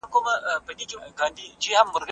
هغوی د خلکو مالونه بیرته سپارلي.